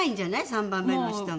３番目の人が。